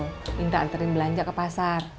minta antarin belanja ke pasar